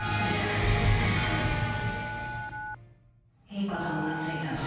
いいこと思いついたわ。